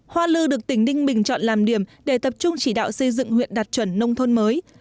hoa lư được tỉnh ninh bình chọn làm điểm để tập trung chỉ đạo xây dựng huyện đạt chuẩn nông thôn mới